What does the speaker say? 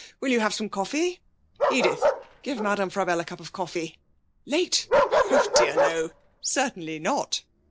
Will you have some coffee? Edith, give Madame Frabelle a cup of coffee. Late? Oh dear, no; certainly not!'